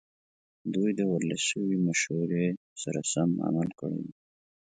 دوی د ورلسټ مشورې سره سم عمل کړی وي.